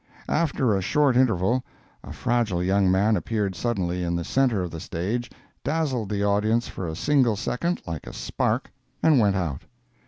After a short interval, a fragile young man appeared suddenly in the centre of the stage, dazzled the audience for a single second, like a spark, and went out.